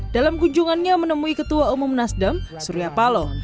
dalam kunjungannya menemui ketua umum nasdem surya paloh